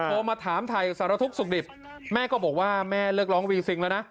โทรมาถามถ่ายสารทุกข์สุขดิบแม่ก็บอกว่าแม่เลือกร้องวีซิงแล้วนะ